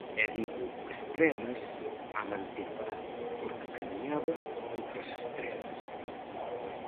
E digo “estrelas” á mantenta, porque camiñaba entre as estrelas.